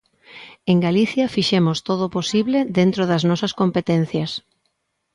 En Galicia fixemos todo o posible dentro das nosas competencias.